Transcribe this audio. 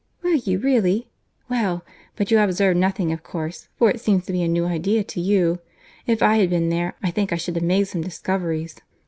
"Were you really?—Well!—But you observed nothing of course, for it seems to be a new idea to you.—If I had been there, I think I should have made some discoveries."